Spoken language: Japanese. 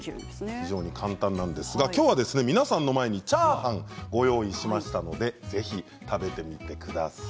非常に簡単なんですがきょうは皆さんの前にチャーハンご用意しましたのでぜひ食べてみてください。